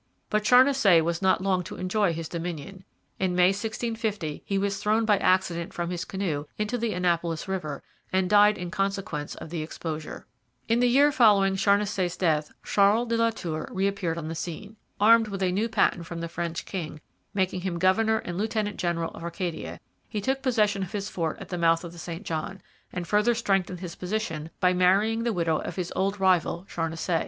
But Charnisay was not long to enjoy his dominion. In May 1650 he was thrown by accident from his canoe into the Annapolis river and died in consequence of the exposure. In the year following Charnisay's death Charles de la Tour reappeared on the scene. Armed with a new patent from the French king, making him governor and lieutenant general of Acadia, he took possession of his fort at the mouth of the St John, and further strengthened his position by marrying the widow of his old rival Charnisay.